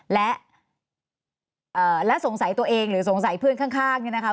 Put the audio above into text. และและสงสัยตัวเองหรือสงสัยเพื่อนข้างเนี่ยนะคะ